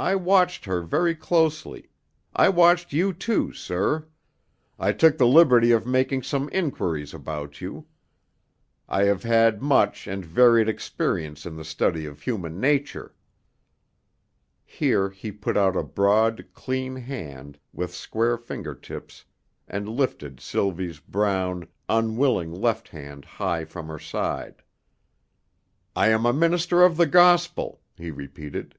I watched her very closely; I watched you, too, sir; I took the liberty of making some inquiries about you. I have had much and varied experience in the study of human nature." Here he put out a broad, clean hand with square finger tips and lifted Sylvie's brown, unwilling left hand high from her side. "I am a minister of the gospel," he repeated.